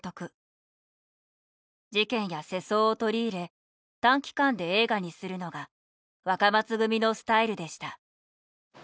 事件や世相を取り入れ短期間で映画にするのが若松組のスタイルでした。